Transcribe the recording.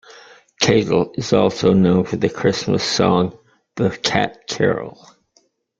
Cadell is also known for the Christmas song "The Cat Carol".